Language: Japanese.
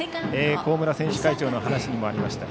幸村選手会長の話にもありました